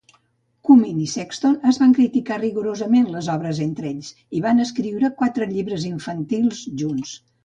Kumin i Sexton es van criticar rigorosament les obres entre ells i van escriure quatre llibres infantils junts.